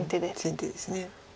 先手です。